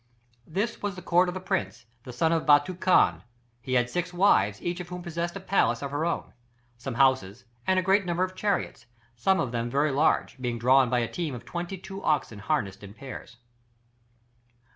This was the court of the prince, the son of Baatu Khan; he had six wives, each of whom possessed a palace of her own, some houses, and a great number of chariots, some of them very large, being drawn by a team of twenty two oxen harnessed in pairs.